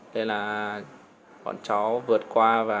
thế là bọn chó vượt qua và đã đâm phải cụ